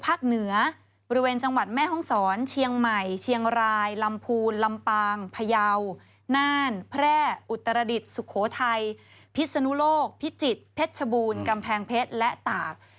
เหนือบริเวณจังหวัดแม่ห้องศรเชียงใหม่เชียงรายลำพูนลำปางพยาวน่านแพร่อุตรดิษฐ์สุโขทัยพิศนุโลกพิจิตรเพชรชบูรณ์กำแพงเพชรและตาก